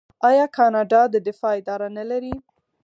آیا کاناډا د دفاع اداره نلري؟